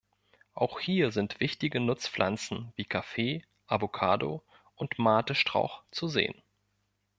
Auch hier sind wichtige Nutzpflanzen wie Kaffee, Avocado und Mate-Strauch zu sehen.